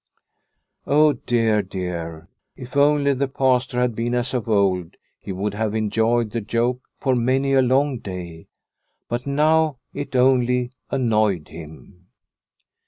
Oh dear, dear ! If only the Pastor had been as of old he would have enjoyed the joke for many a long day, but now it only annoyed him.